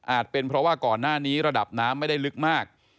เป็นเพราะว่าก่อนหน้านี้ระดับน้ำไม่ได้ลึกมาก